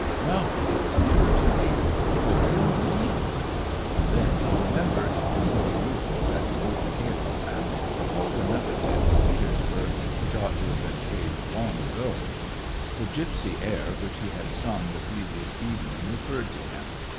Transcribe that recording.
No, it is nearer to me ... it will kill me !" Then he remembered the twenty rubles which he owed Mikhailoff, and recalled another debt in Petersburg, which ought to have been paid long ago ; the gypsy air which he had sung the previous evening recurred to him.